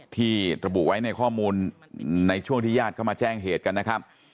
ที่ระบุไว้ในข้อมูลในช่วงที่ญาติเข้ามาแจ้งเหตุกันนะครับ